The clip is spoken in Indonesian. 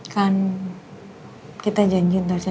saya tunggu di lobby